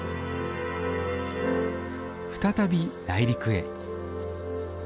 再び内陸へ。